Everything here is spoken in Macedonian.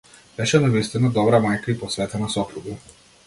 Беше навистина добра мајка и посветена сопруга.